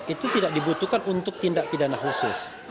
itu tidak dibutuhkan untuk tindak pidana khusus